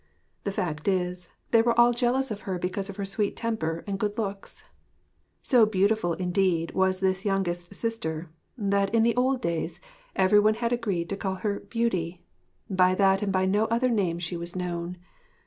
The fact is, they were all jealous of her because of her sweet temper and good looks. So beautiful, indeed, was this youngest sister that in the old days every one had agreed to call her Beauty by that and by no other name she was known.